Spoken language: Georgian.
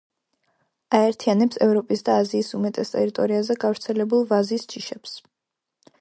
აერთიანებს ევროპის და აზიის უმეტეს ტერიტორიაზე გავრცელებულ ვაზის ჯიშებს.